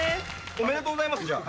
おめでとうございますじゃあ。